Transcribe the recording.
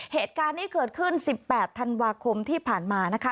เหตุการณ์นี้เกิดขึ้น๑๘ธันวาคมที่ผ่านมานะคะ